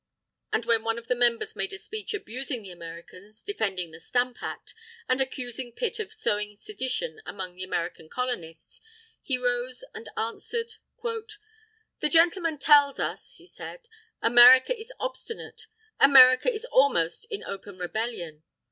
And when one of the members made a speech abusing the Americans, defending the Stamp Act, and accusing Pitt of sowing sedition among the American Colonists, he rose and answered: "The gentleman tells us," he said, "America is obstinate; America is almost in open rebellion.